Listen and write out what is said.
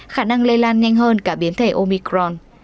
khả năng lây lan nhanh hơn cả biến thể omicron